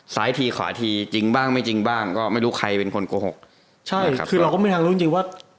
ซ้ายทีขวาทีจริงบ้างไม่จริงบ้างก็ไม่รู้ใครเป็นคนโกหกใช่ครับคือเราก็ไม่รู้ทางรู้จริงจริงว่า